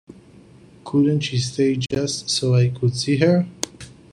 Couldn't she stay, just so I could see her?